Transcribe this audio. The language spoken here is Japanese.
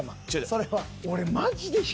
それは。